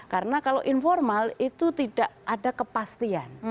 karena kalau informal itu tidak ada kepastian